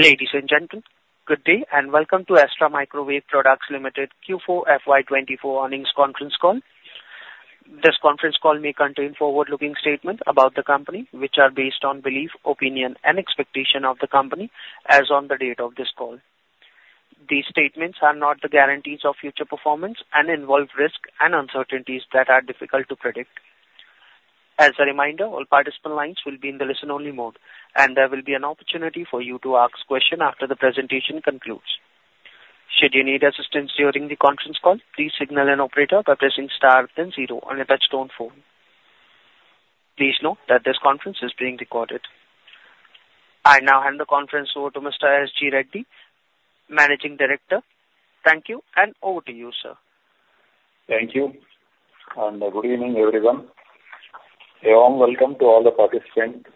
Ladies and gentlemen, good day, and welcome to Astra Microwave Products Limited Q4 FY 2024Earnings Conference Call. This Conference Call may contain forward-looking statements about the company, which are based on belief, opinion, and expectation of the company as on the date of this call. These statements are not the guarantees of future performance and involve risk and uncertainties that are difficult to predict. As a reminder, all participant lines will be in the listen-only mode, and there will be an opportunity for you to ask questions after the presentation concludes. Should you need assistance during the Conference Call, please signal an operator by pressing star then zero on your touchtone phone. Please note that this conference is being recorded. I now hand the conference over to Mr. S.G. Reddy, Managing Director. Thank you, and over to you, sir. Thank you, and good evening, everyone. A warm welcome to all the participants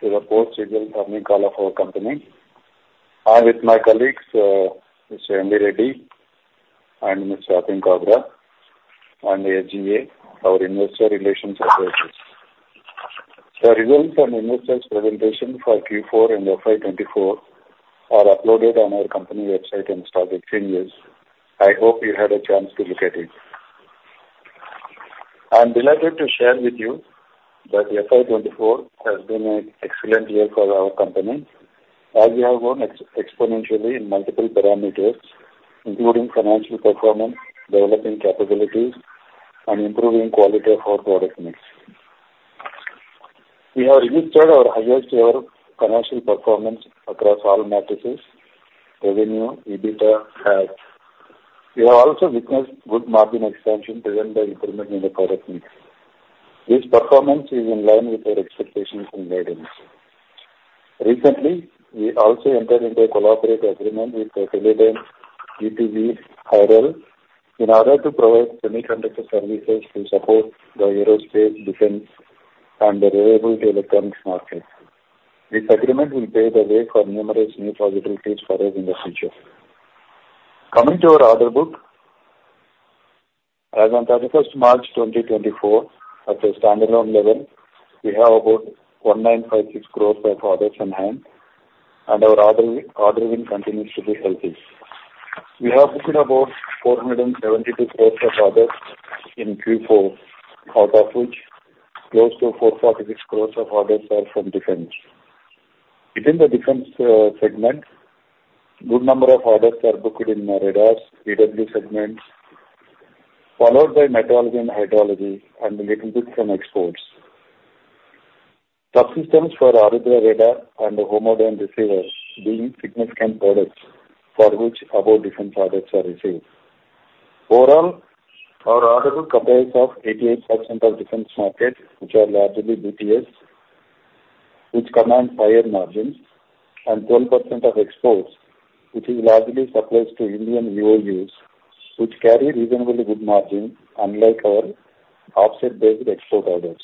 to the post-schedule earning call of our company. I'm with my colleagues, Mr. M.V. Reddy and Mr. Atim Kabra, and SGA, our investor relations associates. The results and investors presentation for Q4 and FY 2024 are uploaded on our company website and stock exchanges. I hope you had a chance to look at it. I'm delighted to share with you that FY 2024 has been an excellent year for our company, as we have grown exponentially in multiple parameters, including financial performance, developing capabilities, and improving quality of our product mix. We have registered our highest year of commercial performance across all metrics, revenue, EBITDA, cash. We have also witnessed good margin expansion driven by improvement in the product mix. This performance is in line with our expectations and guidance. Recently, we also entered into a cooperative agreement with Teledyne e2v HiRel Electronics, in order to provide semiconductor services to support the aerospace, defense, and reliable electronics market. This agreement will pave the way for numerous new possibilities for us in the future. Coming to our order book, as on 31/03/ 2024, at the standalone level, we have about 1,956 crores of orders on hand, and our order win continues to be healthy. We have booked about 472 crores of orders in Q4, out of which close to 446 crores of orders are from defense. Within the defense segment, good number of orders are booked in radars, EW segments, followed by meteorology and hydrology, and a little bit from exports. Subsystems for Aarudra radar and homodyne receivers being significant products for which above different products are received. Overall, our order book comprise of 88% of defense market, which are largely BTS, which command higher margins, and 12% of exports, which is largely supplies to Indian EOUs, which carry reasonably good margin, unlike our offset-based export orders.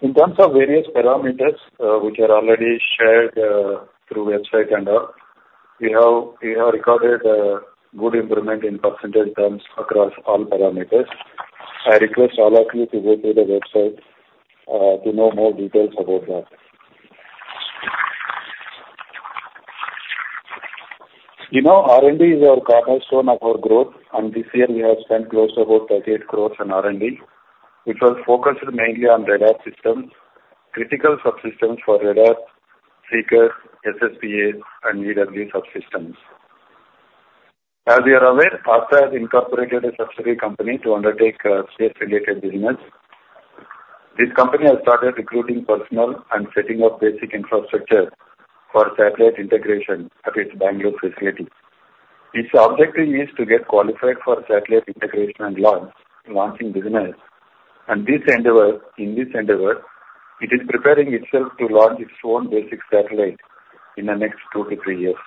In terms of various parameters, which are already shared, through website and all, we have recorded a good improvement in percentage terms across all parameters. I request all of you to go to the website, to know more details about that. You know, R&D is our cornerstone of our growth, and this year we have spent close to about 38 crore on R&D, which was focused mainly on radar systems, critical subsystems for radar, seekers, SSPA, and EW subsystems. As you are aware, Astra has incorporated a subsidiary company to undertake space-related business. This company has started recruiting personnel and setting up basic infrastructure for satellite integration at its Bengaluru facility. Its objective is to get qualified for satellite integration and launch, launching business. In this endeavor, it is preparing itself to launch its own basic satellite in the next two-three years.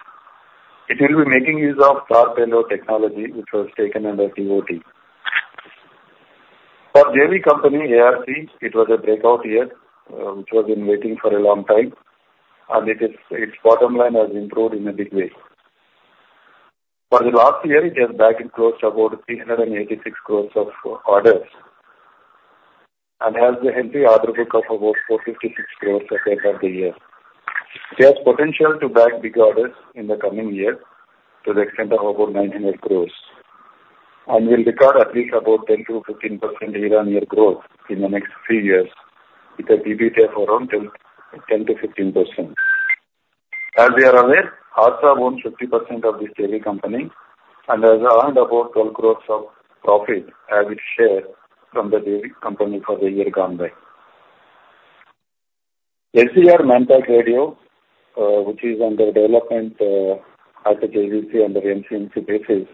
It will be making use of star sensor technology, which was taken under ToT. For JV company, ARC, it was a breakout year, which was in waiting for a long time, and it is—its bottom line has improved in a big way. For the last year, it has bagged and closed about 386 crores of orders and has a healthy order book of about 456 crores as of the year. There's potential to bag big orders in the coming year to the extent of about 900 crores, and will record at least about 10%-15% year-on-year growth in the next three years, with an EBITDA of around 10, 10%-15%. As we are aware, Astra owns 50% of this JV company and has earned about 12 crores of profit as its share from the JV company for the year gone by. SDR manpack radio, which is under development, as a JVC on the NCNC basis,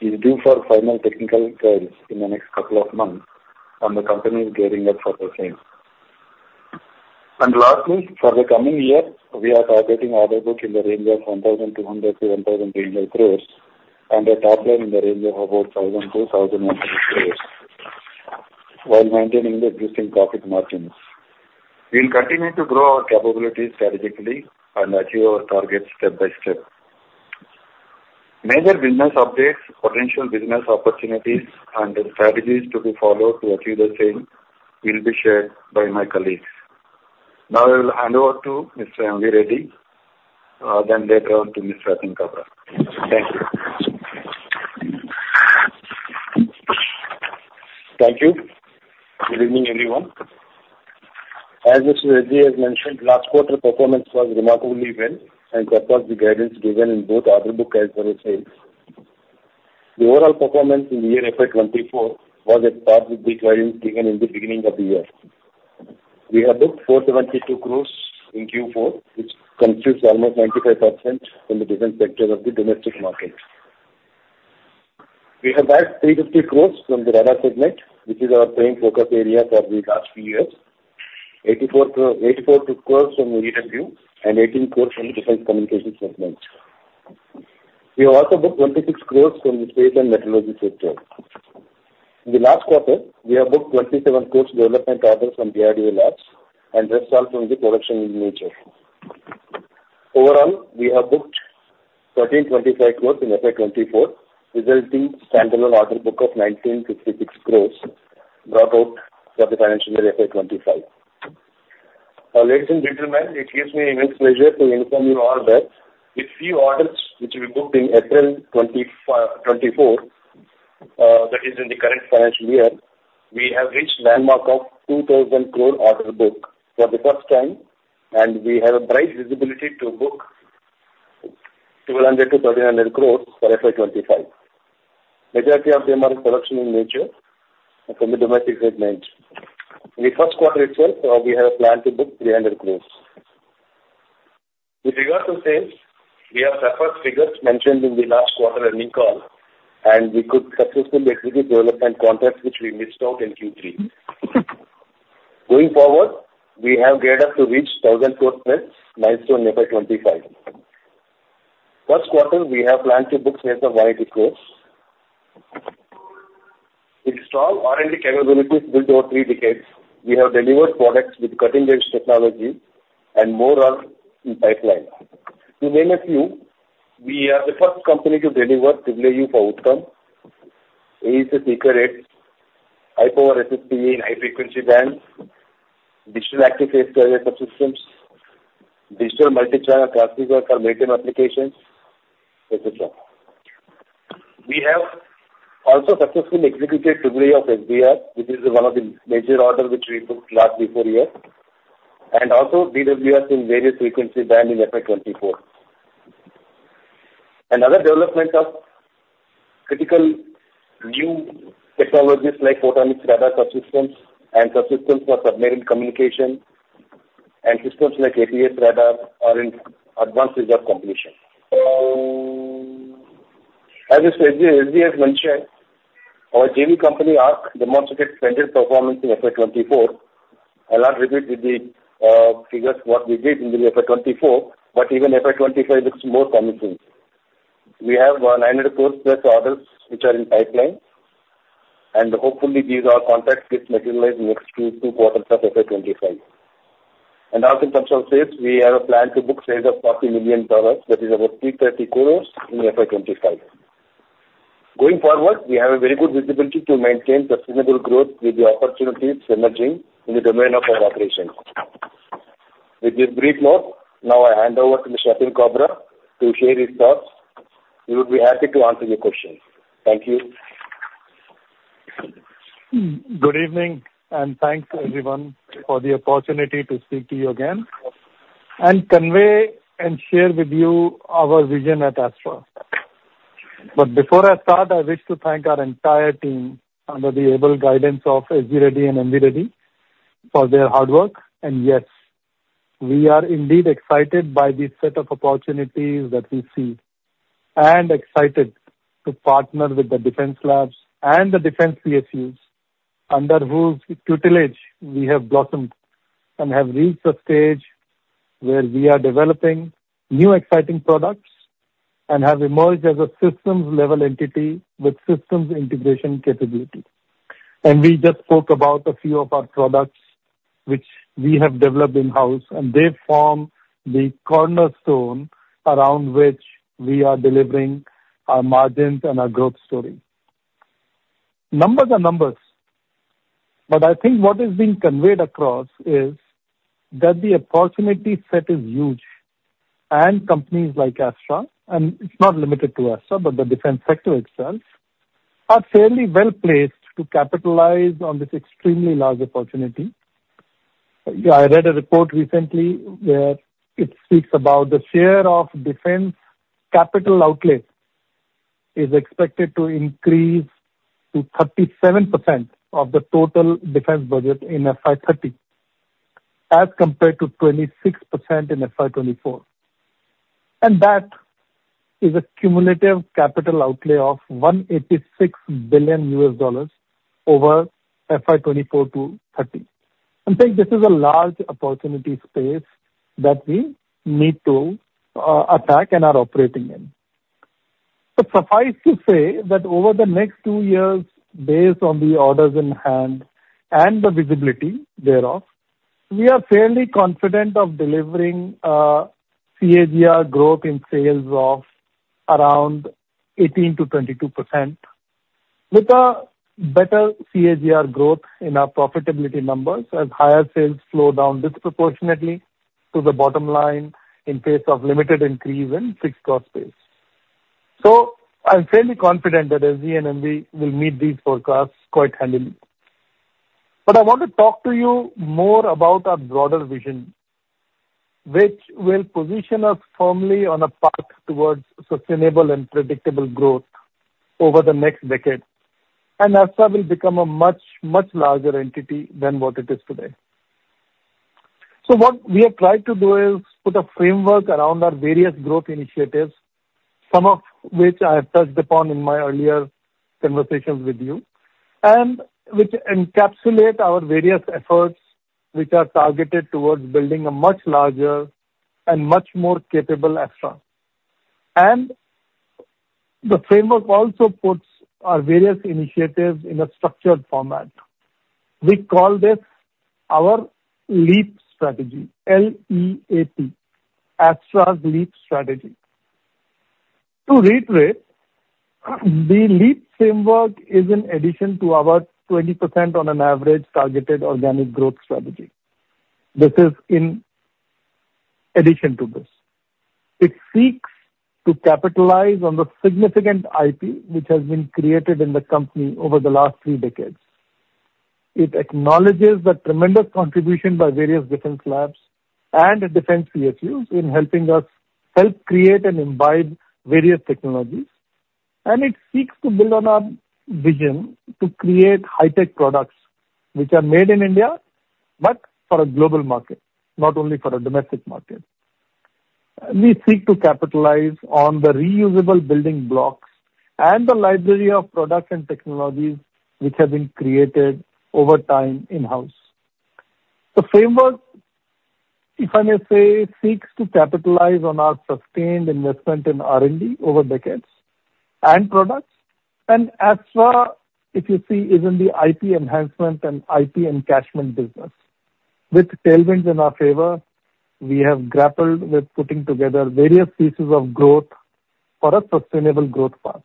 is due for final technical trials in the next couple of months, and the company is gearing up for the same. Lastly, for the coming year, we are targeting order book in the range of 1,200-1,300 crores and a top line in the range of about 1,000-1,100 crores, while maintaining the existing profit margins. We'll continue to grow our capabilities strategically and achieve our targets step by step. Major business updates, potential business opportunities, and the strategies to be followed to achieve the same will be shared by my colleagues. Now, I will hand over to Mr. M.V. Reddy, then later on to Mr. Atim Kabra. Thank you. Thank you. Good evening, everyone. As Mr. Reddy has mentioned, last quarter performance was remarkably well, and surpassed the guidance given in both order book as well as sales. The overall performance in the year FY 2024 was at par with the guidance given in the beginning of the year. We have booked 472 crores in Q4, which constitutes almost 95% from the different sectors of the domestic market. We have added 350 crores from the radar segment, which is our prime focus area for the last few years. 84 crores from EW, and 18 crores from the defense communication segment. We have also booked 26 crores from the space and meteorology sector. In the last quarter, we have booked 27 crores development order from DRDO labs, and results from the production in nature. Overall, we have booked 1,325 crores in FY 2024, resulting in standalone order book of 1,966 crores, dropped out for the financial year FY 2025. Ladies and gentlemen, it gives me immense pleasure to inform you all that with few orders which we booked in April 2024, that is in the current financial year, we have reached landmark of 2,000 crore order book for the first time, and we have a bright visibility to book 1,200-1,300 crore for FY 2025. Majority of them are production in nature from the domestic segment. In the first quarter itself, we have a plan to book 300 crore. With regard to sales, we have referred figures mentioned in the last quarter earnings call, and we could successfully execute development contracts which we missed out in Q3. Going forward, we have geared up to reach 1,000 crore plus milestone in FY 2025. First quarter, we have planned to book sales of 100 crore. With strong R&D capabilities built over three decades, we have delivered products with cutting-edge technology and more are in pipeline. To name a few, we are the first company to deliver AAU for Uttam, AESA seeker heads, high power SSBA in high frequency bands, digital active phased array systems, digital multi-channel transceiver for microwave applications, etc. We have also successfully executed AAU of Uttam, which is one of the major order which we booked last fiscal year, and also DWRs in various frequency bands in FY 2024. Other developments of critical new technologies like photonics, radar subsystems, and subsystems for submarine communication, and systems like APS radar are in advanced stage of completion. As Mr. S.G. Reddy has mentioned, our JV company, ARC, demonstrated stronger performance in FY 2024. I'll not repeat with the figures what we did in the FY 2024, but even FY 2025 looks more promising. We have 900 crores plus orders which are in pipeline, and hopefully these are contracts which materialize in next two quarters of FY 2025. And as in terms of sales, we have a plan to book sales of $40 million, that is about 330 crores in FY 2025. Going forward, we have a very good visibility to maintain sustainable growth with the opportunities emerging in the domain of our operations. With this brief note, now I hand over to Mr. Atim Kabra to share his thoughts. He would be happy to answer your questions. Thank you. Good evening, and thanks everyone for the opportunity to speak to you again, and convey and share with you our vision at Astra. But before I start, I wish to thank our entire team under the able guidance of S.G. Reddy and M.V. Reddy for their hard work. And yes, we are indeed excited by the set of opportunities that we see, and excited to partner with the defense labs and the defense PSUs, under whose tutelage we have blossomed and have reached a stage where we are developing new, exciting products, and have emerged as a systems-level entity with systems integration capability. And we just spoke about a few of our products which we have developed in-house, and they form the cornerstone around which we are delivering our margins and our growth story. Numbers are numbers, but I think what is being conveyed across is that the opportunity set is huge, and companies like Astra, and it's not limited to Astra, but the defense sector itself, are fairly well placed to capitalize on this extremely large opportunity. I read a report recently where it speaks about the share of defense capital outlay is expected to increase to 37% of the total defense budget in FY 2030, as compared to 26% in FY 2024. That is a cumulative capital outlay of $186 billion over FY 2024 to 2030. And think this is a large opportunity space that we need to attack and are operating in. But suffice to say that over the next two years, based on the orders in hand and the visibility thereof-... We are fairly confident of delivering CAGR growth in sales of around 18%-22%, with a better CAGR growth in our profitability numbers as higher sales slow down disproportionately to the bottom line in case of limited increase in fixed cost base. So I'm fairly confident that SG and MB will meet these forecasts quite handily. But I want to talk to you more about our broader vision, which will position us firmly on a path towards sustainable and predictable growth over the next decade, and Astra will become a much, much larger entity than what it is today. So what we have tried to do is put a framework around our various growth initiatives, some of which I have touched upon in my earlier conversations with you, and which encapsulate our various efforts, which are targeted towards building a much larger and much more capable Astra. The framework also puts our various initiatives in a structured format. We call this our LEAP strategy, L-E-A-P, Astra's LEAP strategy. To reiterate, the LEAP framework is in addition to our 20% on an average targeted organic growth strategy. This is in addition to this. It seeks to capitalize on the significant IP which has been created in the company over the last three decades. It acknowledges the tremendous contribution by various defense labs and defense PSUs in helping us help create and imbibe various technologies. And it seeks to build on our vision to create high-tech products which are made in India, but for a global market, not only for a domestic market. We seek to capitalize on the reusable building blocks and the library of products and technologies which have been created over time in-house. The framework, if I may say, seeks to capitalize on our sustained investment in R&D over decades and products. Astra, if you see, is in the IP enhancement and IP encashment business. With tailwinds in our favor, we have grappled with putting together various pieces of growth for a sustainable growth path.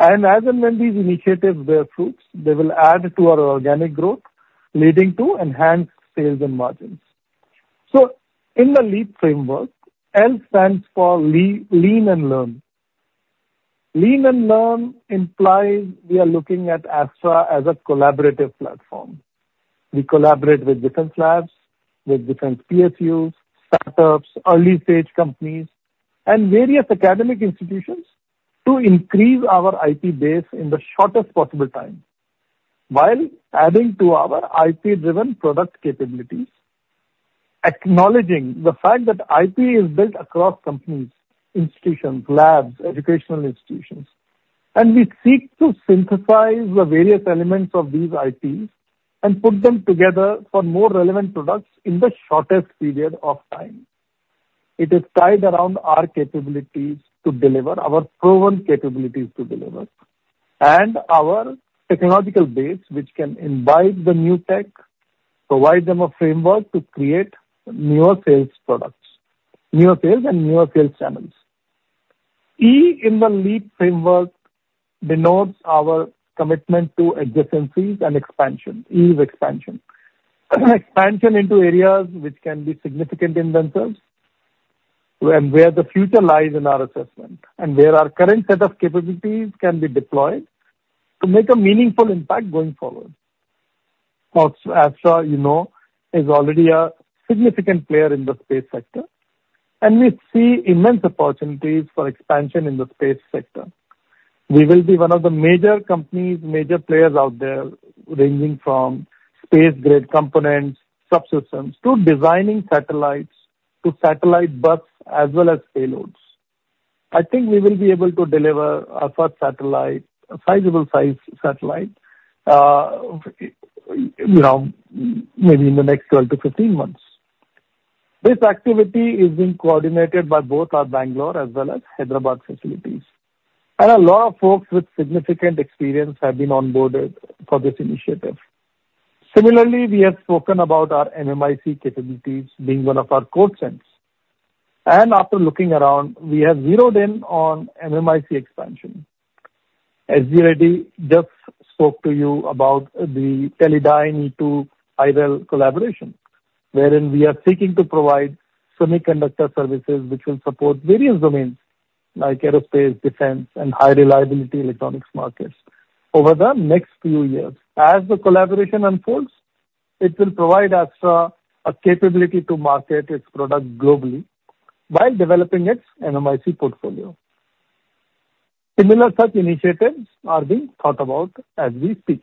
As and when these initiatives bear fruits, they will add to our organic growth, leading to enhanced sales and margins. In the LEAP framework, L stands for lean and learn. Lean and learn implies we are looking at Astra as a collaborative platform. We collaborate with different labs, with different PSUs, startups, early-stage companies, and various academic institutions to increase our IP base in the shortest possible time, while adding to our IP-driven product capabilities, acknowledging the fact that IP is built across companies, institutions, labs, educational institutions. We seek to synthesize the various elements of these IPs and put them together for more relevant products in the shortest period of time. It is tied around our capabilities to deliver, our proven capabilities to deliver, and our technological base, which can imbibe the new tech, provide them a framework to create newer sales products, newer sales, and newer sales channels. E in the LEAP framework denotes our commitment to adjacencies and expansion. E is expansion. Expansion into areas which can be significant inventors, and where the future lies in our assessment, and where our current set of capabilities can be deployed to make a meaningful impact going forward. Of course, Astra, you know, is already a significant player in the space sector, and we see immense opportunities for expansion in the space sector. We will be one of the major companies, major players out there, ranging from space-grade components, subsystems, to designing satellites, to satellite bus, as well as payloads. I think we will be able to deliver our first satellite, a sizable-size satellite, you know, maybe in the next 12-15 months. This activity is being coordinated by both our Bengaluru as well as Hyderabad facilities, and a lot of folks with significant experience have been onboarded for this initiative. Similarly, we have spoken about our MMIC capabilities being one of our core strengths, and after looking around, we have zeroed in on MMIC expansion. S.G. Reddy just spoke to you about the Teledyne e2v HiRel collaboration, wherein we are seeking to provide semiconductor services which will support various domains like aerospace, defense, and high-reliability electronics markets. Over the next few years, as the collaboration unfolds, it will provide Astra a capability to market its product globally while developing its MMIC portfolio. Similar such initiatives are being thought about as we speak.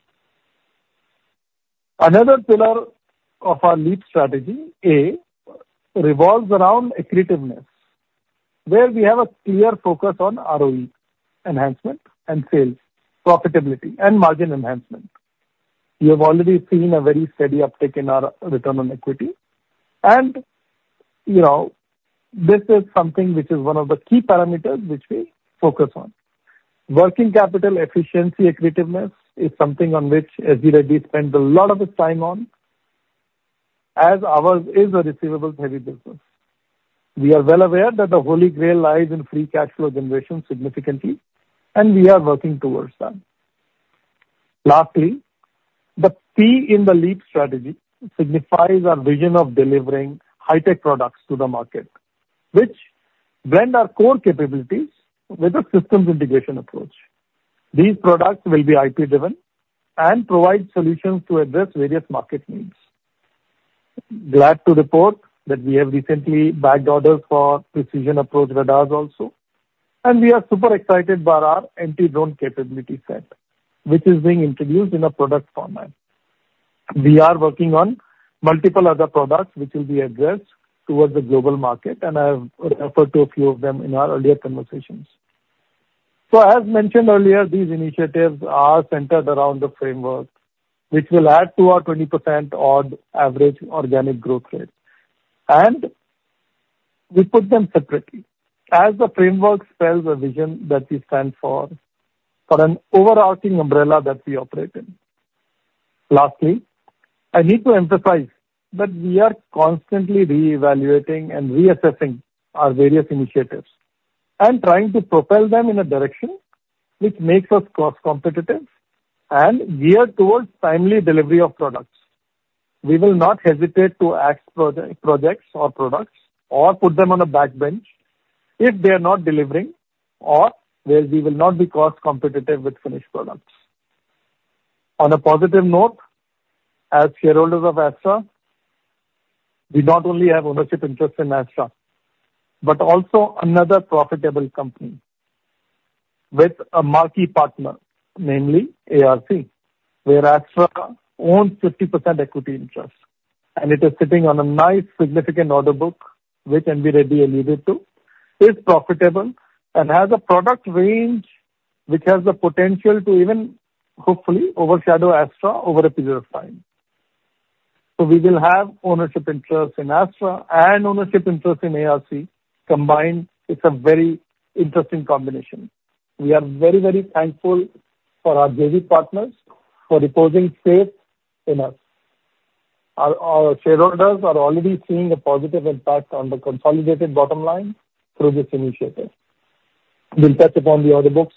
Another pillar of our LEAP strategy, A, revolves around accretiveness, where we have a clear focus on ROE enhancement and sales, profitability and margin enhancement. You have already seen a very steady uptick in our return on equity, and... You know, this is something which is one of the key parameters which we focus on. Working capital efficiency, accretiveness is something on which S.G Reddy spends a lot of its time on, as ours is a receivables-heavy business. We are well aware that the holy grail lies in free cash flow generation significantly, and we are working towards that. Lastly, the P in the LEAP strategy signifies our vision of delivering high-tech products to the market, which blend our core capabilities with a systems integration approach. These products will be IP-driven and provide solutions to address various market needs. Glad to report that we have recently bagged orders for precision approach radars also, and we are super excited about our anti-drone capability set, which is being introduced in a product format. We are working on multiple other products which will be addressed towards the global market, and I have referred to a few of them in our earlier conversations. So as mentioned earlier, these initiatives are centered around the framework, which will add to our 20% odd average organic growth rate. And we put them separately, as the framework spells a vision that we stand for, for an overarching umbrella that we operate in. Lastly, I need to emphasize that we are constantly reevaluating and reassessing our various initiatives and trying to propel them in a direction which makes us cost competitive and geared towards timely delivery of products. We will not hesitate to axe projects or products or put them on a back burner if they are not delivering or where we will not be cost competitive with finished products. On a positive note, as shareholders of Astra, we not only have ownership interest in Astra, but also another profitable company with a marquee partner, namely ARC, where Astra owns 50% equity interest, and it is sitting on a nice, significant order book, which can be readily alluded to, is profitable and has a product range which has the potential to even hopefully overshadow Astra over a period of time. So we will have ownership interest in Astra and ownership interest in ARC. Combined, it's a very interesting combination. We are very, very thankful for our JV partners for reposing faith in us. Our, our shareholders are already seeing a positive impact on the consolidated bottom line through this initiative. We'll touch upon the order books,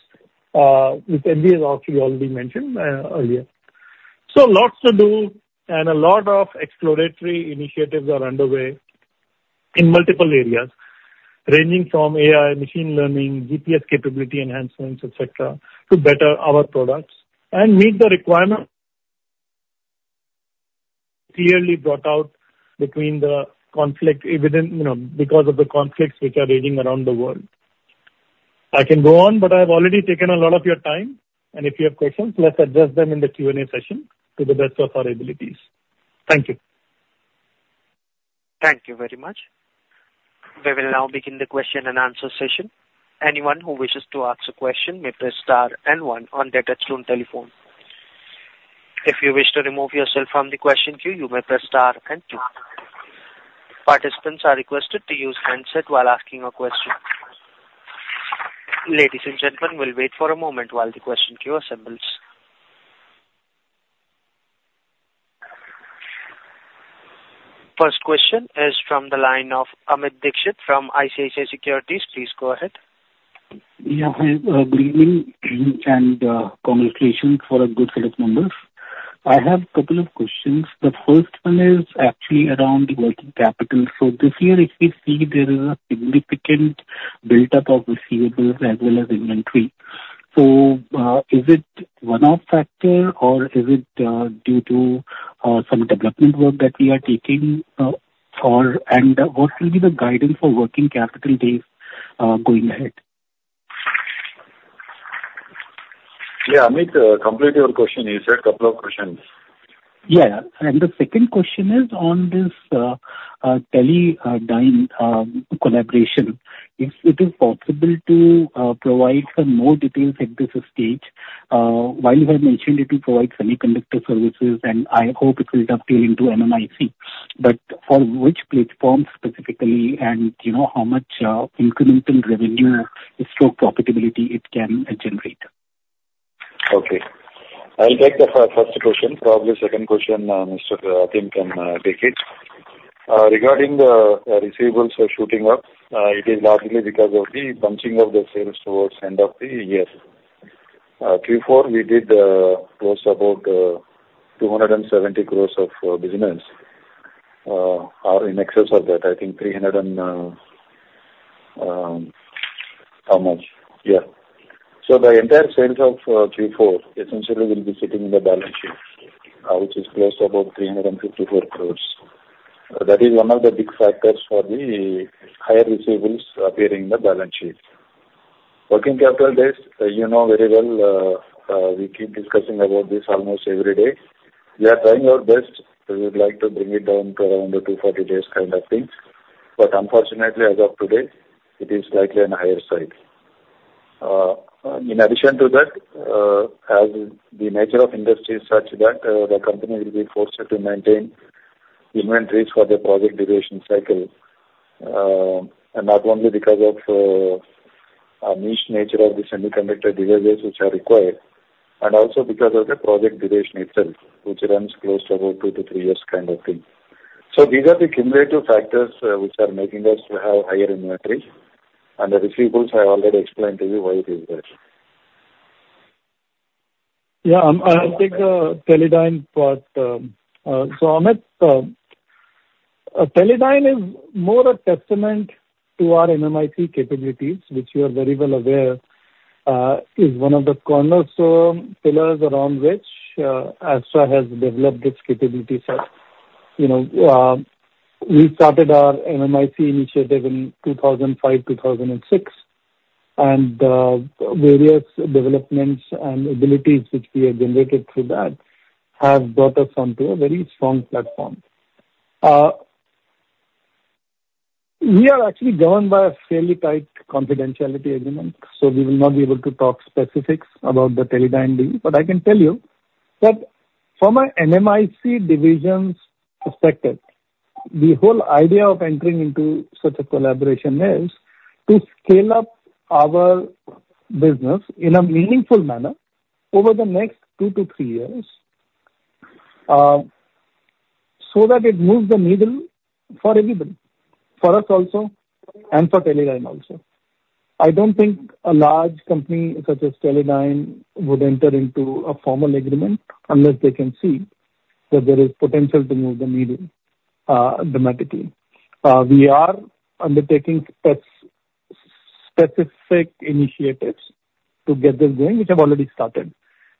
which MB has actually already mentioned, earlier. So lots to do, and a lot of exploratory initiatives are underway in multiple areas, ranging from AI, machine learning, GPS capability enhancements, et cetera, to better our products and meet the requirement clearly brought out between the conflict evident, you know, because of the conflicts which are raging around the world. I can go on, but I've already taken a lot of your time, and if you have questions, let's address them in the Q&A session to the best of our abilities. Thank you. Thank you very much. We will now begin the question-and-answer session. Anyone who wishes to ask a question may press star and one on their touchtone telephone. If you wish to remove yourself from the question queue, you may press star and two. Participants are requested to use handset while asking a question. Ladies and gentlemen, we'll wait for a moment while the question queue assembles. First question is from the line of Amit Dixit from ICICI Securities. Please go ahead. Yeah, hi, good evening and, congratulations for a good set of numbers. I have a couple of questions. The first one is actually around working capital. So this year, if we see, there is a significant buildup of receivables as well as inventory. So, is it one-off factor or is it due to some development work that we are taking for? And, what will be the guidance for working capital days going ahead? Yeah, Amit, complete your question. You said couple of questions. Yeah, and the second question is on this, Teledyne, collaboration. If it is possible to provide some more details at this stage, while you have mentioned it will provide semiconductor services, and I hope it will dovetail into MMIC, but for which platforms specifically, and you know, how much incremental revenue stroke profitability it can generate? Okay. I'll take the first question. Probably second question, Mr. Atim can take it. Regarding the receivables shooting up, it is largely because of the bunching of the sales towards end of the year. Q4, we did close about 270 crore of business, or in excess of that, I think 300 and... How much? Yeah. So the entire sales of Q4 essentially will be sitting in the balance sheet, which is close to about 354 crore. That is one of the big factors for the higher receivables appearing in the balance sheet. Working capital days, you know very well, we keep discussing about this almost every day. We are trying our best. We would like to bring it down to around 240 days kind of thing, but unfortunately, as of today, it is slightly on higher side.... In addition to that, as the nature of industry is such that, the company will be forced to maintain inventories for the project duration cycle, and not only because of, a niche nature of the semiconductor devices which are required, and also because of the project duration itself, which runs close to about two-three years kind of thing. So these are the cumulative factors, which are making us to have higher inventories. And the receivables, I already explained to you why it is there. So Amit, Teledyne is more a testament to our MMIC capabilities, which you are very well aware, is one of the cornerstone pillars around which, Astra has developed its capability set. You know, we started our MMIC initiative in 2005, 2006, and, various developments and abilities which we have generated through that have brought us onto a very strong platform. We are actually governed by a fairly tight confidentiality agreement, so we will not be able to talk specifics about the Teledyne deal, but I can tell you that from a MMIC division's perspective, the whole idea of entering into such a collaboration is to scale up our business in a meaningful manner over the next two-three years, so that it moves the needle for everybody, for us also, and for Teledyne also. I don't think a large company such as Teledyne would enter into a formal agreement unless they can see that there is potential to move the needle dramatically. We are undertaking specific initiatives to get this going, which have already started.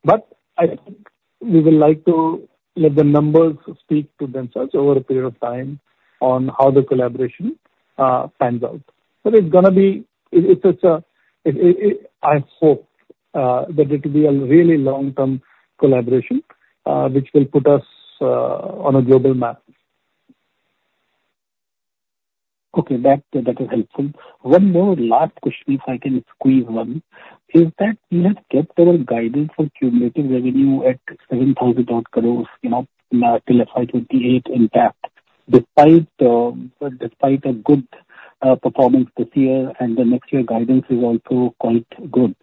But I think we would like to let the numbers speak to themselves over a period of time on how the collaboration pans out. But it's gonna be... It is, I hope, that it will be a really long-term collaboration, which will put us on a global map. Okay, that, that is helpful. One more last question, if I can squeeze one, is that we have kept our guidance for cumulative revenue at 7,000 crore, you know, till FY 2028 intact, despite, despite a good, performance this year, and the next year guidance is also quite good,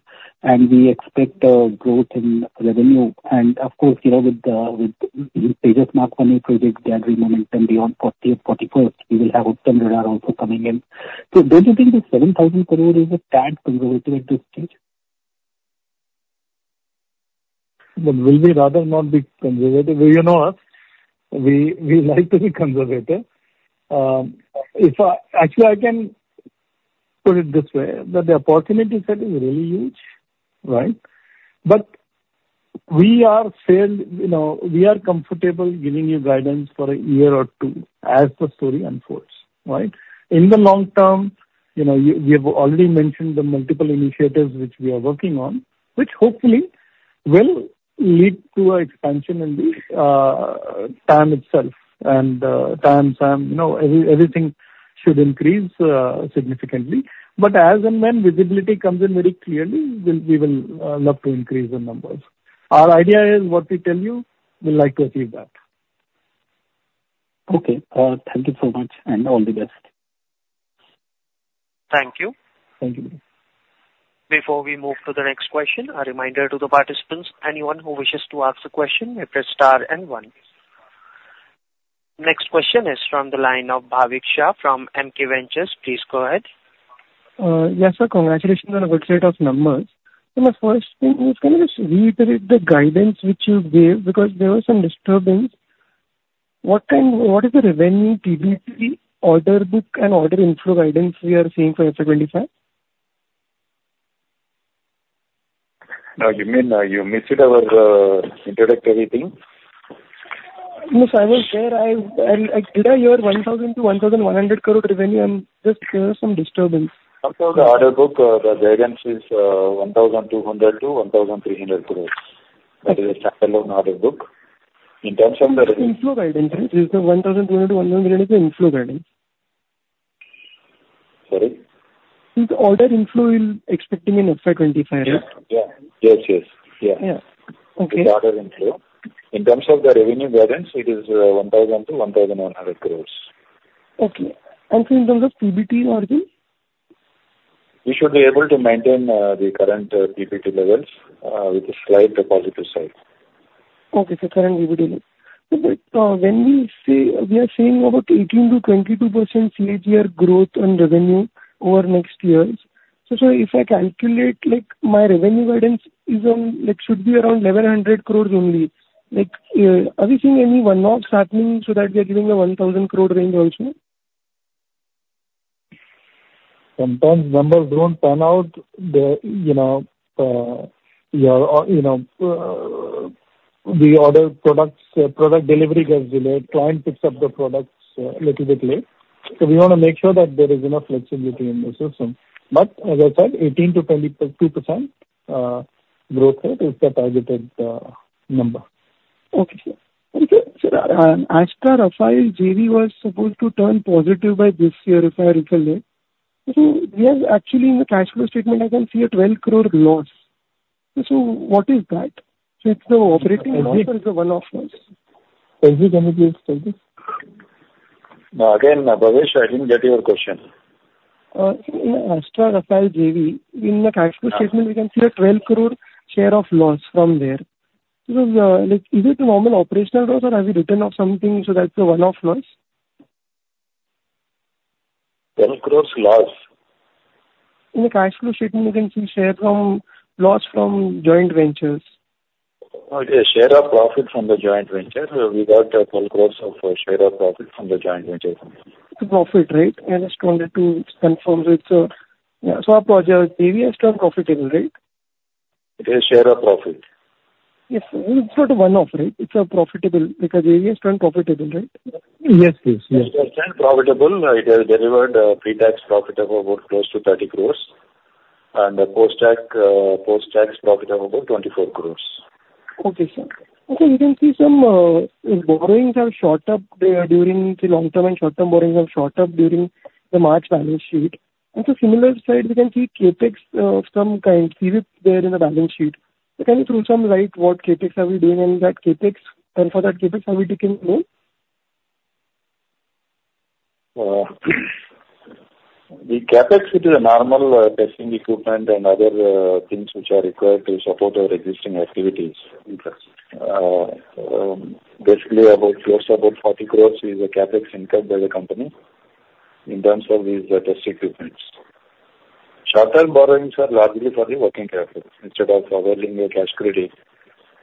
and we expect a growth in revenue. And of course, you know, with the, with the Aegis Mark I project gathering momentum beyond 40th, 41st, we will have Uttam Radar also coming in. So do you think the 7,000 crore is a tad conservative at this stage? But will we rather not be conservative? Well, you know us, we, we like to be conservative. If I... Actually, I can put it this way, that the opportunity set is really huge, right? But we are still, you know, we are comfortable giving you guidance for a year or two as the story unfolds, right? In the long term, you know, we, we have already mentioned the multiple initiatives which we are working on, which hopefully will lead to expansion in the TAM itself. And TAM, SAM, you know, everything should increase significantly. But as and when visibility comes in very clearly, we'll, we will love to increase the numbers. Our idea is what we tell you, we'd like to achieve that. Okay. Thank you so much, and all the best. Thank you. Thank you. Before we move to the next question, a reminder to the participants, anyone who wishes to ask a question, may press star and one. Next question is from the line of Bhavik Shah from MK Ventures. Please go ahead. Yes, sir. Congratulations on a good set of numbers. So my first thing is, can you just reiterate the guidance which you gave? Because there was some disturbance. What is the revenue PBT order book and order inflow guidance we are seeing for FY 2025? You mean, you missed our introductory thing? No, sir, I was there. I, and I did hear 1,000 crore-1,100 crore revenue. I'm just, there was some disturbance. Also, the order book, the guidance is, 1,200 crore-1,300 crore. That is a standalone order book. In terms of the- Inflow guidance, is the 1,000 crore-100 crore is the inflow guidance? Sorry? Is the order inflow we're expecting in FY 25, right? Yeah. Yes, yes. Yeah. Yeah. Okay. The order inflow. In terms of the revenue guidance, it is 1,000-1,100 crore. Okay. And in terms of PBT order? We should be able to maintain the current PBT levels with a slight positive side. Okay, so current PBT levels. So but, when we say... We are saying about 18%-22% CAGR growth on revenue over next years. So, so if I calculate, like, my revenue guidance is, like, should be around 1,100 crore only. Like, are we seeing any one-offs happening so that we are giving a 1,000 crore range also? Sometimes numbers don't pan out. You know, the order products, product delivery gets delayed, client picks up the products, little bit late. So we wanna make sure that there is enough flexibility in the system. But as I said, 18%-22% growth rate is the targeted number.... Okay, sir. Okay, sir, Astra Rafael JV was supposed to turn positive by this year, if I recall it. So we have actually, in the cash flow statement, I can see an 12 crore loss. So what is that? So it's the operating loss or it's a one-off loss? Can you please repeat? No, again, Bhavik, I didn't get your question. In Astra Rafael JV, in the cash flow statement, we can see an 12 crore share of loss from there. So, like, is it a normal operational loss or have you written off something, so that's a one-off loss? 10 crore loss? In the cash flow statement, we can see share of loss from joint ventures. Yes, share of profit from the joint venture. We got INR 10 crore of share of profit from the joint venture. Profit, right? I just wanted to confirm with, yeah, so our project previous term profitable, right? It is share of profit. Yes, it's not a one-off, right? It's a profitable, because previous term profitable, right? Yes, yes, yes. Previous term profitable, it has delivered pre-tax profit of about close to 30 crores and post-tax, post-tax profit of about 24 crores. Okay, sir. Also, we can see some borrowings have shot up during the long term, and short-term borrowings have shot up during the March balance sheet. And so similar side, we can see CapEx, some kind, see it there in the balance sheet. So can you throw some light what CapEx are we doing and that CapEx, and for that CapEx, have we taken loan? The CapEx, it is a normal, testing equipment and other, things which are required to support our existing activities. Okay. Basically about, close to about 40 crore is a CapEx incurred by the company in terms of these test equipments. Short-term borrowings are largely for the working capital. Instead of borrowing a cash credit,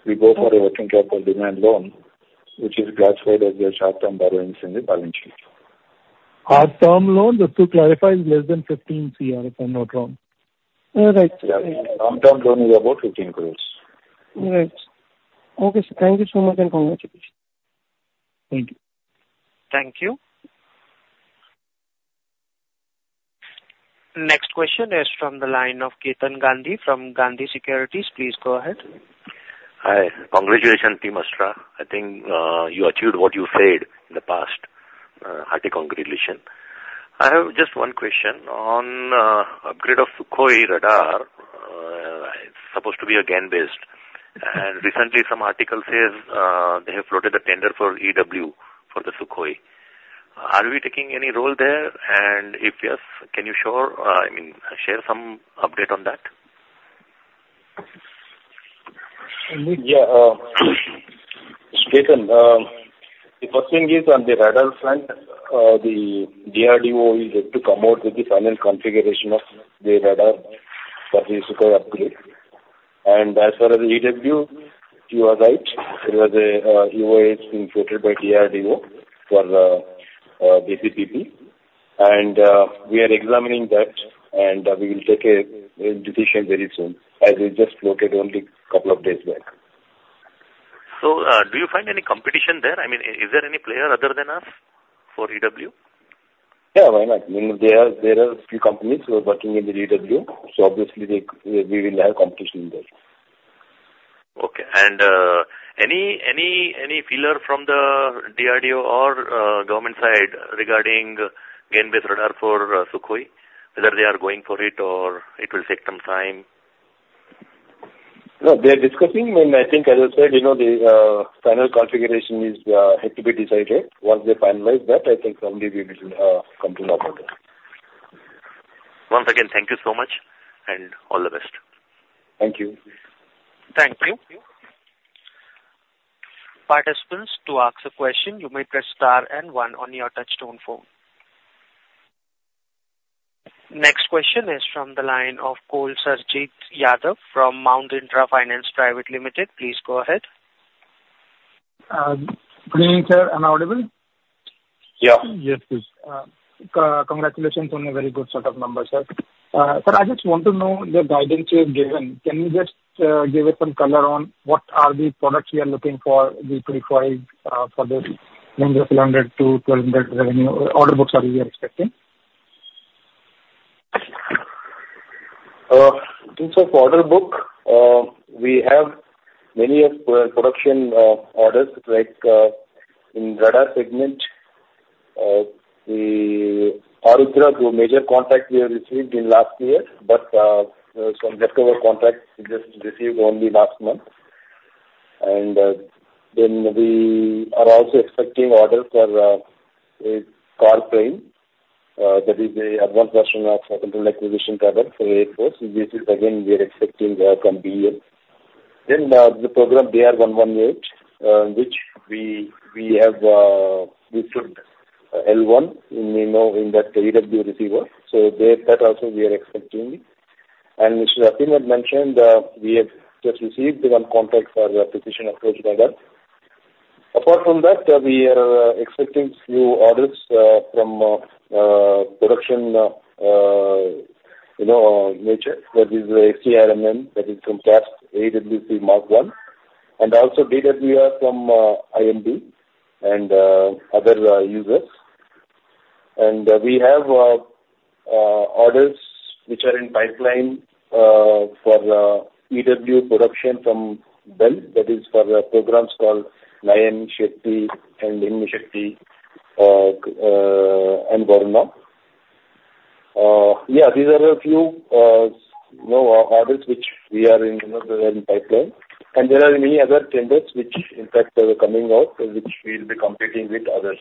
we go for a working capital demand loan, which is classified as a short-term borrowings in the balance sheet. Our term loan, just to clarify, is less than 15 crore, if I'm not wrong. Right. Yeah. Long-term loan is about 15 crore. Right. Okay, sir. Thank you so much, and congratulations. Thank you. Thank you. Next question is from the line of Ketan Gandhi from Gandhi Securities. Please go ahead. Hi. Congratulations, team Astra. I think you achieved what you said in the past. Hearty congratulations. I have just one question, on upgrade of Sukhoi radar. It's supposed to be again based. And recently some article says they have floated a tender for EW for the Sukhoi. Are we taking any role there? And if yes, can you share, I mean, share some update on that? Yeah, Ketan, the first thing is, on the radar front, the DRDO is yet to come out with the final configuration of the radar for the Sukhoi upgrade. As far as EW, you are right, there was a Eol has been floated by DRDO for the DCPP, and we are examining that, and we will take a decision very soon, as we just floated only a couple of days back. Do you find any competition there? I mean, is there any player other than us for EW? Yeah, why not? I mean, there are a few companies who are working in the EW, so obviously they... we will have competition there. Okay. And, any, any, any feeler from the DRDO or, government side regarding gain-based radar for Sukhoi? Whether they are going for it or it will take some time? No, they're discussing, and I think, as I said, you know, the final configuration is yet to be decided. Once they finalize that, I think only we will come to know about that. Once again, thank you so much and all the best. Thank you. Thank you. Participants, to ask a question, you may press star and one on your touchtone phone. Next question is from the line of Kuljit Singh from Mount Intra Finance Private Limited. Please go ahead. Good evening, sir. I'm audible? Yeah. Yes, please. Congratulations on a very good set of numbers, sir. Sir, I just want to know the guidance you have given. Can you just give us some color on what are the products we are looking for, the 3-5, for the 900-1,200 revenue order books we are expecting? In terms of order book, we have many, production, orders, like, in radar segment, the Aarudra, through a major contract we have received in last year, but, some October contracts we just received only last month. And, then we are also expecting orders for, a car plane, that is a advanced version of our control acquisition radar for Air Force. This is again, we are expecting, from BA. Then, the program D-118, which we, we have, we put L1 in, you know, in that RWR. So there, that also we are expecting. And Mr. Atin had mentioned, we have just received one contract for the precision approach radar. Apart from that, we are expecting a few orders from production, you know, nature, that is TRMs, that is from TASL, LCA Mk1A, and also DWR from IMD and other users. We have orders which are in pipeline for the EW production from them. That is for the programs called Himshakti and Indra, and Varuna. Yeah, these are a few, you know, orders which we are in, you know, they are in pipeline. There are many other tenders which in fact are coming out, and which we'll be competing with others.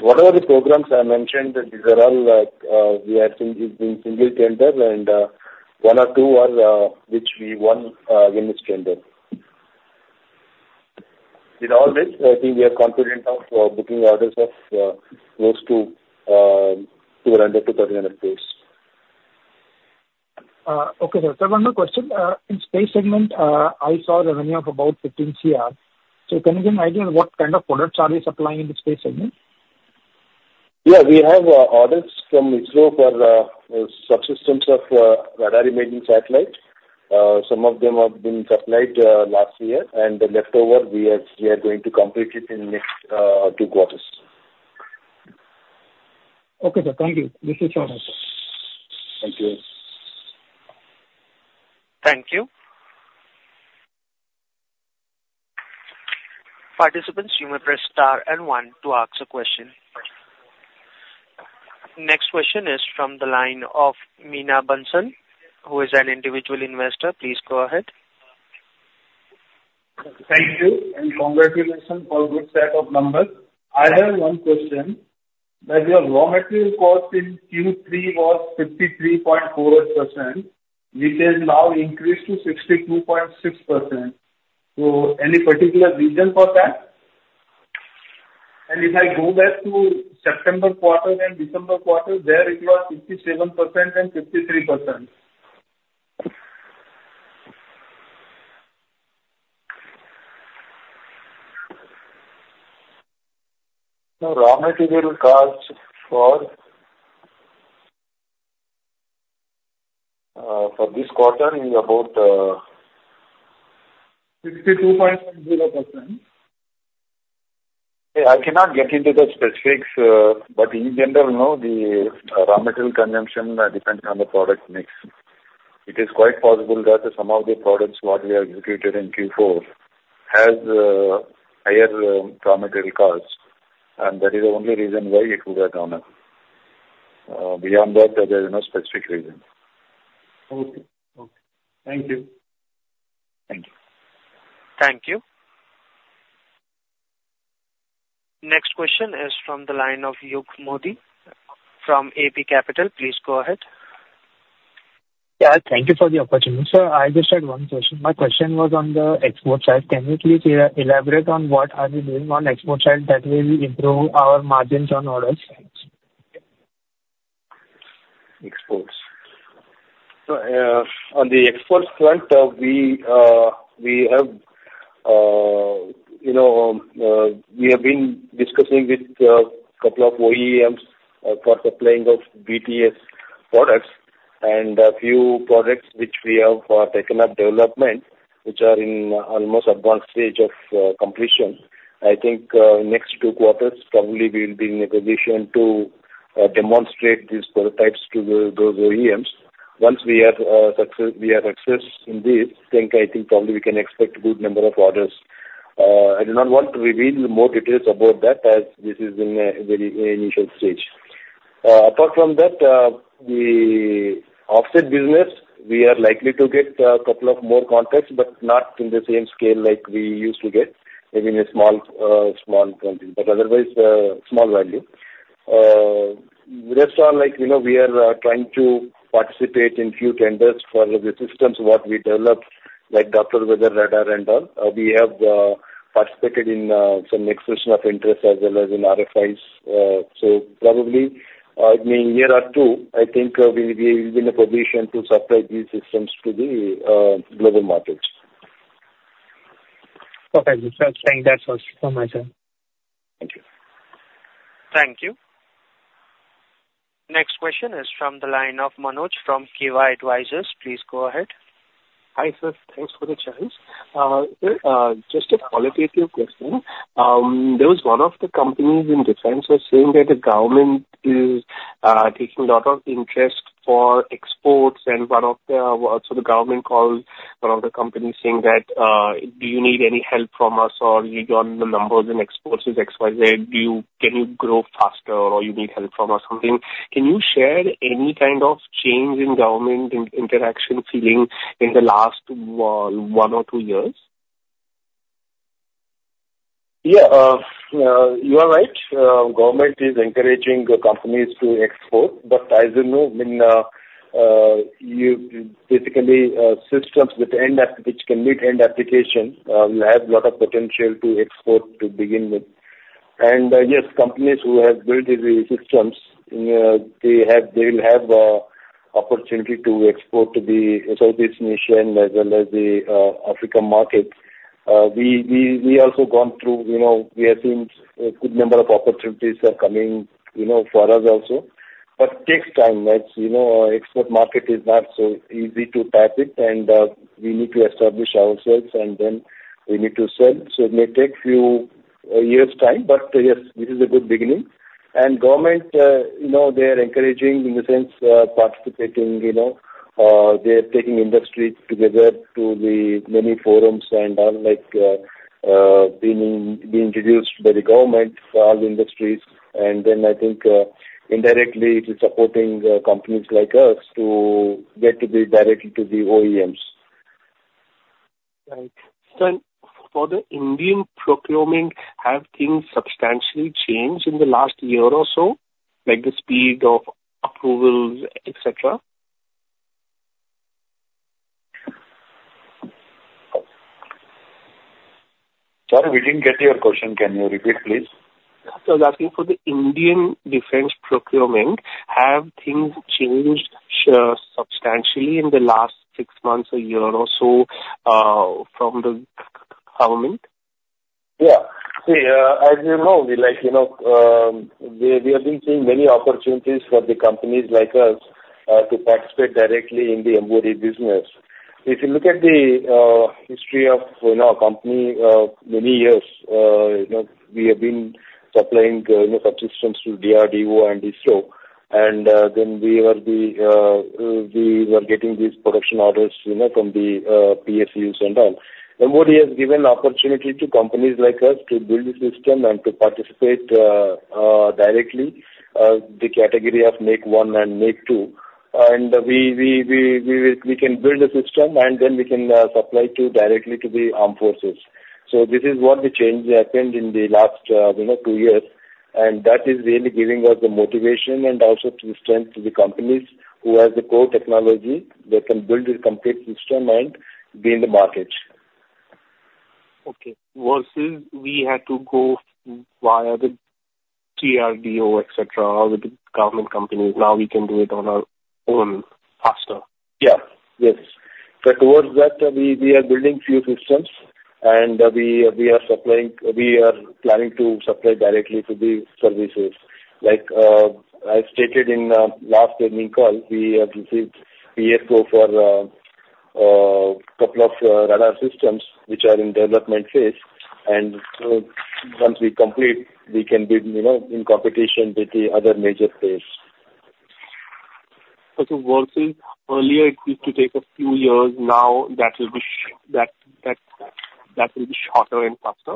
What are the programs I mentioned, that these are all, we have been single tender, and one or two are which we won, win this tender. In all this, I think we are confident of booking orders of close to 200-300 base. Okay, sir. So one more question, in space segment, I saw a revenue of about 15 crore. So can you give an idea on what kind of products are we supplying in the space segment? Yeah, we have orders from ISRO for subsystems of radar imaging satellite. Some of them have been supplied last year, and the leftover, we are going to complete it in next two quarters. Okay, sir. Thank you. This is so helpful. Thank you. Thank you. Participants, you may press star and one to ask a question. Next question is from the line of Meena Benson, who is an individual investor. Please go ahead. Thank you, and congratulations for a good set of numbers. I have one question, that your raw material cost in Q3 was 53.48%, which has now increased to 62.6%. So any particular reason for that? And if I go back to September quarter and December quarter, there it was 57% and 53%. Raw material cost for this quarter is about, 62.0%. Yeah, I cannot get into the specifics, but in general, you know, the raw material consumption depends on the product mix. It is quite possible that some of the products what we have executed in Q4 has higher raw material cost, and that is the only reason why it would have gone up. Beyond that, there is no specific reason. Okay. Okay. Thank you. Thank you. Thank you. Next question is from the line of Yukt Mody from AB Capital. Please go ahead. Yeah, thank you for the opportunity. Sir, I just had one question. My question was on the export side. Can you please elaborate on what are you doing on export side that will improve our margins on orders sides? Exports. So, on the export front, we have been discussing with couple of OEMs for supplying of BTS products and a few products which we have taken up development, which are in almost advanced stage of completion. I think, next two quarters, probably we'll be in a position to demonstrate these prototypes to those OEMs. Once we have success in this, then I think probably we can expect good number of orders. I do not want to reveal more details about that, as this is in a very initial stage. Apart from that, the offset business, we are likely to get a couple of more contracts, but not in the same scale like we used to get. Maybe in a small, small country, but otherwise, small value. Rest are like, you know, we are trying to participate in few tenders for the systems what we developed, like Doppler Weather Radar and all. We have participated in some expression of interest as well as in RFIs. So probably, in a year or two, I think, we, we will be in a position to supply these systems to the global markets. Okay, sir. Thank you. That's all from my side. Thank you. Thank you. Next question is from the line of Manoj from Keva Advisors. Please go ahead. Hi, sir, thanks for the chance. Just a qualitative question. There was one of the companies in defense was saying that the government is taking a lot of interest for exports and one of the, so the government called one of the companies saying that, "Do you need any help from us, or you've gotten the numbers and exports is XYZ. Can you grow faster or you need help from us or something?" Can you share any kind of change in government interaction feeling in the last one or two years? Yeah, you are right. Government is encouraging the companies to export, but as you know, I mean, you basically systems with end app- which can meet end application will have a lot of potential to export to begin with. And yes, companies who have built the systems, they have, they'll have opportunity to export to the Southeast Asian as well as the African market. We also gone through, you know, we have seen a good number of opportunities are coming, you know, for us also. But takes time, as you know, export market is not so easy to tap it, and we need to establish ourselves, and then we need to sell. So it may take few years' time, but yes, this is a good beginning. And government, you know, they are encouraging in the sense, participating, you know, they are taking industry together to the many forums and all, like, being, being introduced by the government to all the industries. And then I think, indirectly it is supporting, companies like us to get to be directly to the OEMs. Right. So for the Indian procurement, have things substantially changed in the last year or so, like the speed of approvals, et cetera? Sorry, we didn't get your question. Can you repeat, please? So I think for the Indian defense procurement, have things changed substantially in the last six months or a year or so, from the government? Yeah. See, as you know, we like, you know, we have been seeing many opportunities for the companies like us to participate directly in the MoD business. If you look at the history of, you know, our company, many years, you know, we have been supplying, you know, subsystems to DRDO and ISRO. And then we were getting these production orders, you know, from the PSUs and all. MoD has given opportunity to companies like us to build the system and to participate directly the category of Make-I and Make-II. And we can build a system, and then we can supply directly to the armed forces. So this is what the change happened in the last, you know, two years, and that is really giving us the motivation and also to strengthen the companies who have the core technology. They can build a complete system and be in the market. Okay. Versus we had to go via the DRDO, et cetera, or the government companies, now we can do it on our own, faster? Yeah. Yes. So towards that, we are building few systems, and we are planning to supply directly to the services. Like, I stated in last earnings call, we have received a year ago for couple of radar systems which are in development phase. And so once we complete, we can be, you know, in competition with the other major players. Okay. Versus earlier, it used to take a few years. Now, that will be shorter and faster?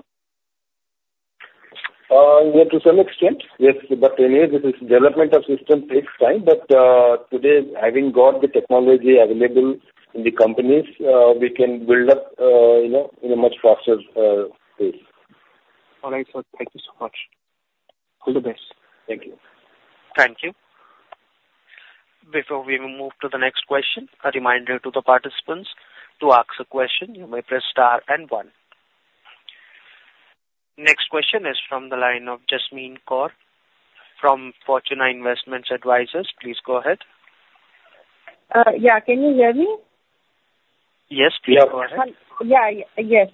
Yeah, to some extent, yes. But anyways, this is development of system takes time, but, today, having got the technology available in the companies, we can build up, you know, in a much faster, pace. All right, sir. Thank you so much. All the best. Thank you. Thank you. Before we move to the next question, a reminder to the participants, to ask a question, you may press Star and One. Next question is from the line of Jasmin Kaur from Fortuna Investment Advisors. Please go ahead. Yeah. Can you hear me? Yes, please go ahead. Yeah. Yes.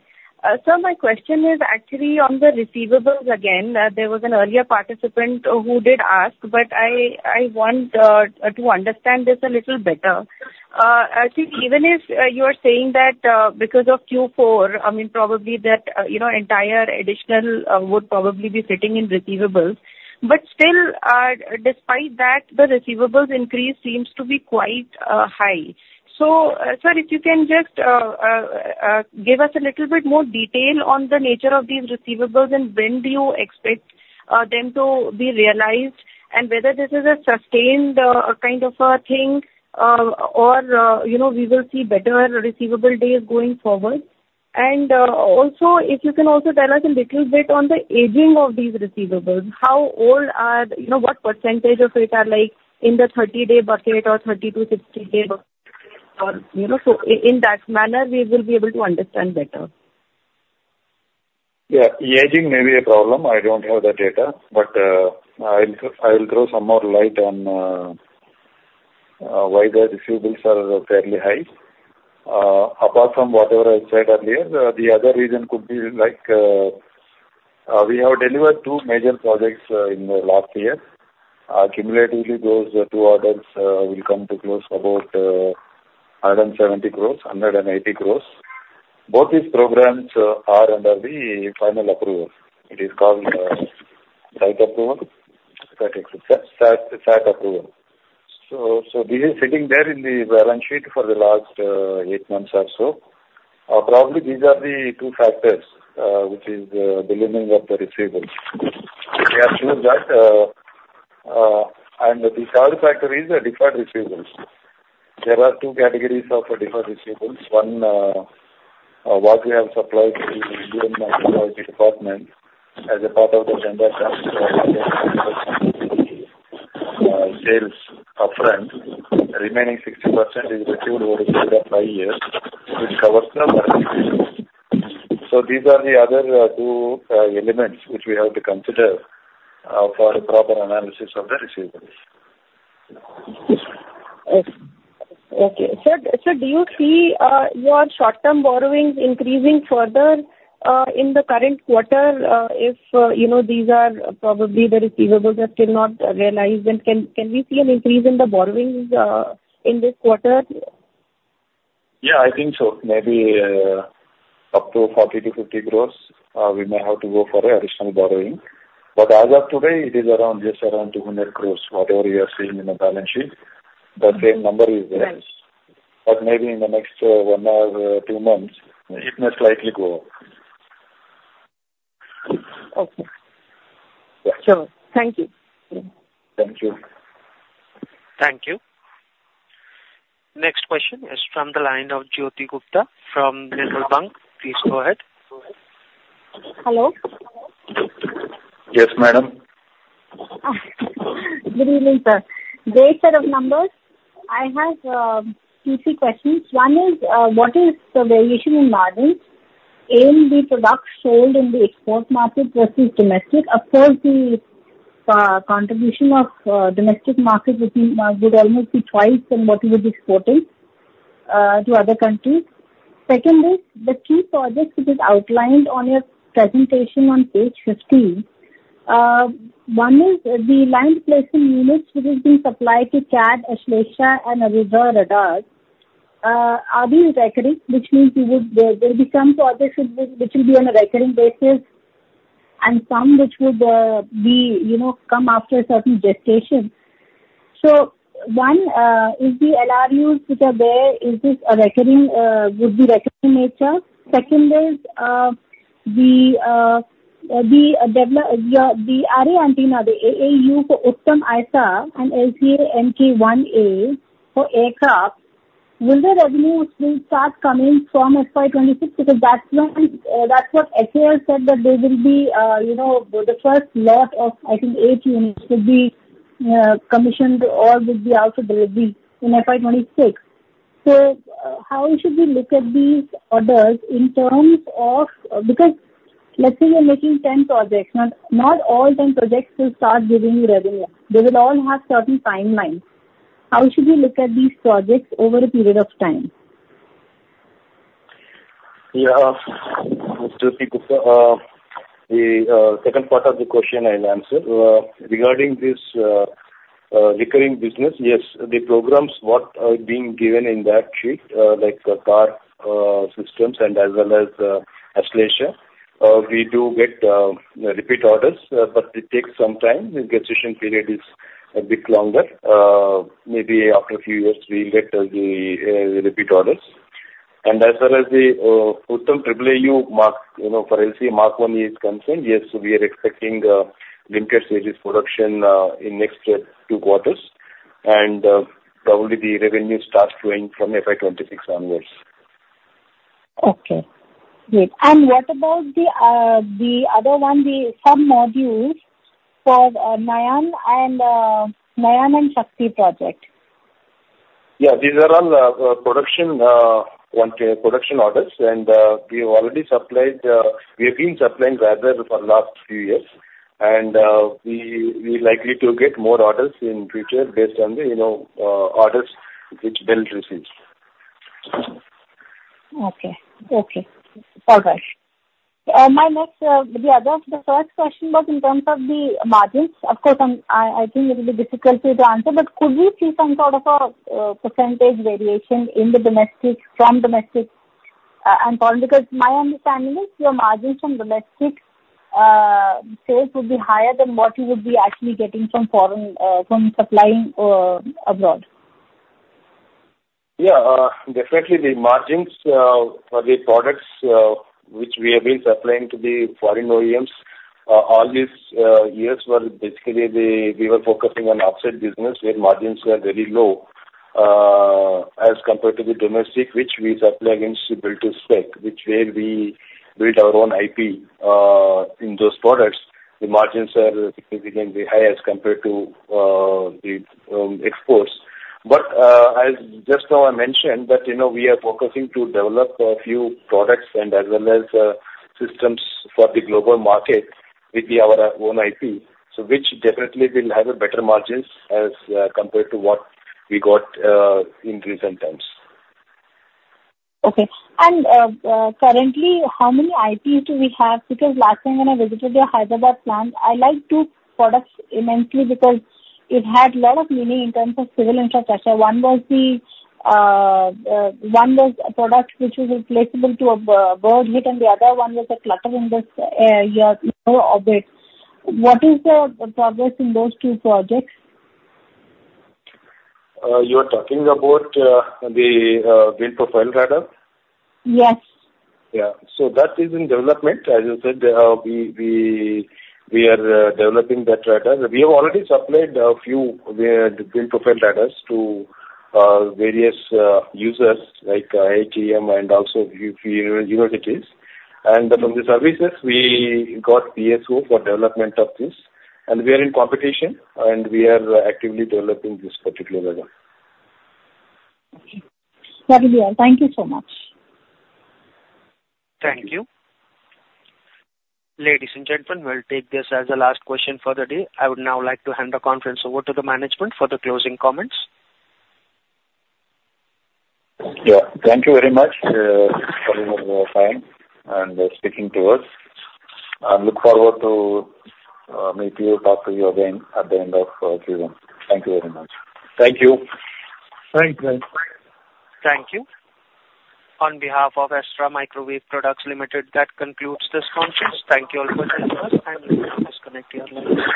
So my question is actually on the receivables again. There was an earlier participant who did ask, but I want to understand this a little better. I think even if you are saying that because of Q4, I mean, probably that you know entire additional would probably be sitting in receivables. But still, despite that, the receivables increase seems to be quite high. So, sir, if you can just give us a little bit more detail on the nature of these receivables and when do you expect them to be realized, and whether this is a sustained kind of a thing or you know we will see better receivable days going forward? Also, if you can also tell us a little bit on the aging of these receivables, how old are... You know, what percentage of it are, like, in the 30-day bucket or 30- to 60-day bucket? Or, you know, so in that manner, we will be able to understand better. Yeah, the aging may be a problem. I don't have the data, but, I'll, I will throw some more light on, why the receivables are fairly high. Apart from whatever I said earlier, the other reason could be like, we have delivered two major projects, in the last year. Cumulatively, those two orders, will come to close about, 170 crores-180 crores. Both these programs, are under the final approval. It is called, site approval, that is, SAT, SAT approval. So, so this is sitting there in the balance sheet for the last, eight months or so. Probably these are the two factors, which is, delivering of the receivables. We are sure that, and the third factor is the deferred receivables. There are two categories of deferred receivables. One, what we have supplied to the India Meteorological Department as a part of the tender, sales upfront. Remaining 60% is received over a period of five years, which covers the receivables. So these are the other two elements which we have to consider for proper analysis of the receivables. Okay. Okay. So, do you see your short-term borrowings increasing further in the current quarter, if you know, these are probably the receivables that did not realize, then can we see an increase in the borrowings in this quarter? Yeah, I think so. Maybe, up to 40 crores-50 crores, we may have to go for additional borrowing. But as of today, it is around, just around 200 crores, whatever you are seeing in the balance sheet, the same number is there. Right. Maybe in the next one or two months, it may slightly go up. Okay. Yeah. Sure. Thank you. Thank you. Thank you. Next question is from the line of Jyoti Gupta from Federal Bank. Please go ahead. Hello? Yes, madam. Good evening, sir. Great set of numbers. I have two, three questions. One is what is the variation in margins in the products sold in the export market versus domestic? Of course, the contribution of domestic market would almost be twice than what you were exporting to other countries. Second is, the key projects which is outlined on your presentation on page 15, one is the line replaceable units which is being supplied to DRDO, Ashlesha, and Aarudra Radars, are these recurring, which means there will be some projects which will be on a recurring basis, and some which would be, you know, come after a certain gestation. So one is the LRUs, which are there, is this a recurring would-be recurring nature? Second is the array antenna, the AAU for Uttam AESA and LCA Mk1A for aircraft. Will the revenues start coming from FY 2026? Because that's when, that's what HAL said, that there will be, you know, the first lot of, I think, 8 units will be commissioned or will be out of delivery in FY 2026. So, how should we look at these orders in terms of... Because let's say you're making 10 projects, not, not all 10 projects will start giving you revenue. They would all have certain timelines. How should we look at these projects over a period of time? Yeah. Ms. Jyoti Gupta, the second part of the question I'll answer. Regarding this recurring business, yes, the programs what are being given in that sheet, like, CAR systems and as well as Ashlesha, we do get repeat orders, but it takes some time. The gestation period is a bit longer. Maybe after a few years, we will get the repeat orders. And as well as the Uttam AESA, you know, for LCA Mk1A is concerned, yes, we are expecting limited series production in next two quarters. And probably the revenue starts flowing from FY 2026 onwards. Okay. Great. And what about the other one, the sub-modules for Himshakti project? Yeah, these are all production orders. And we have already supplied, we have been supplying radar for last few years. And we likely to get more orders in future based on the, you know, orders which Bell receives. Okay. Okay. All right. My next, the other, the first question was in terms of the margins. Of course, I think it will be difficult to answer, but could we see some sort of a, percentage variation in the domestic, from domestic, and foreign? Because my understanding is your margins from domestic, sales would be higher than what you would be actually getting from foreign, from supplying, abroad. Yeah, definitely the margins for the products which we have been supplying to the foreign OEMs all these years were basically, we were focusing on offset business, where margins were very low as compared to the domestic, which we supply against the build-to-spec, which where we build our own IP. In those products, the margins are significantly high as compared to the exports. But, as just now I mentioned that, you know, we are focusing to develop a few products and as well as systems for the global market with our own IP. So which definitely will have better margins as compared to what we got in recent times. Okay. Currently, how many IPs do we have? Because last time when I visited your Hyderabad plant, I liked two products immensely because it had a lot of meaning in terms of civil infrastructure. One was a product which was replaceable to a bird hit, and the other one was a clutter in this, yeah, orbit. What is the progress in those two projects? You are talking about the Wind Profile Radar? Yes. Yeah. So that is in development. As you said, we are developing that radar. We have already supplied a few wind profile radars to various users like ATM and also a few universities. And from the services, we got PSO for development of this, and we are in competition, and we are actively developing this particular radar. Okay. That will be all. Thank you so much. Thank you. Ladies and gentlemen, we'll take this as the last question for the day. I would now like to hand the conference over to the management for the closing comments. Yeah, thank you very much for your time and speaking to us. I look forward to meet you, talk to you again at the end of Q1. Thank you very much. Thank you. Thank you. Thank you. On behalf of Astra Microwave Products Limited, that concludes this conference. Thank you all for joining us, and you may now disconnect your lines.